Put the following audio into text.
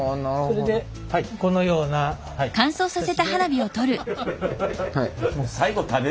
それでこのような形で。